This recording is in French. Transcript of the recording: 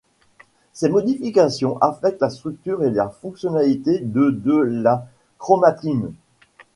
Ces modifications affectent la structure et la fonctionnalité de de la chromatine.